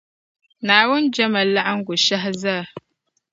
Naawuni jɛma laɣiŋgu shɛhi zaa.